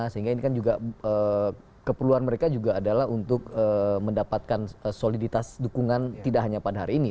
sehingga ini kan juga keperluan mereka juga adalah untuk mendapatkan soliditas dukungan tidak hanya pada hari ini